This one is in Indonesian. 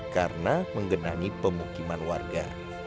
karena menggenangi pemukiman warga